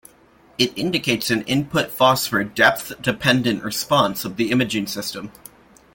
It indicates an input phosphor depth-dependent response of the imaging system.